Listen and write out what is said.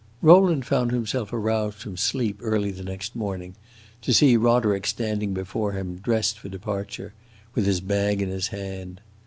Rowland found himself aroused from sleep early the next morning, to see Roderick standing before him, dressed for departure, with his bag in his hand.